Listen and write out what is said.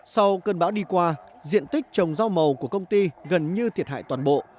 sau cơn bão đi qua diện tích trồng rau màu của công ty gần như thiệt hại toàn bộ